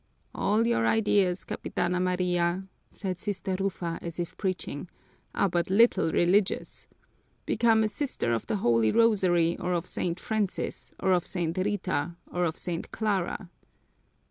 "All your ideas, Capitana Maria," said Sister Rufa, as if preaching, "are but little religious. Become a sister of the Holy Rosary or of St. Francis or of St. Rita or of St. Clara."